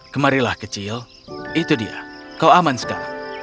kemarilah kecil itu dia kau aman sekali